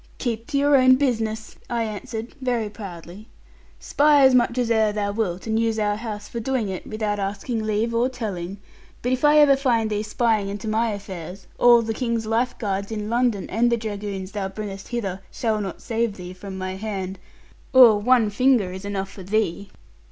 'Keep to your own business,' I answered, very proudly; 'spy as much as e'er thou wilt, and use our house for doing it, without asking leave or telling; but if I ever find thee spying into my affairs, all the King's lifeguards in London, and the dragoons thou bringest hither, shall not save thee from my hand or one finger is enough for thee.'